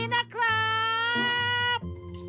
น้ำครับ